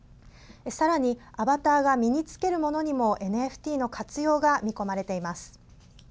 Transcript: さらに、アバターが身に着けるものにもＮＦＴの活用が見込まれています。